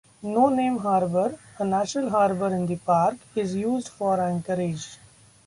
No Name Harbor, a natural harbor in the park, is used for anchorage.